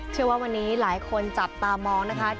เชื่อว่าวันนี้หลายคนจับตามองเชื่อว่าวันนี้หลายคนจับตามอง